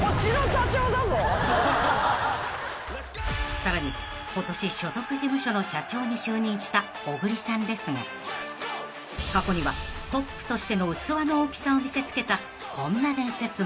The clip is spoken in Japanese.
［さらに今年所属事務所の社長に就任した小栗さんですが過去にはトップとしての器の大きさを見せつけたこんな伝説も］